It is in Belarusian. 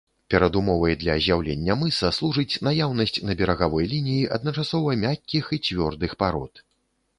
Перадумовай для з'яўлення мыса служыць наяўнасць на берагавой лініі адначасова мяккіх і цвёрдых парод.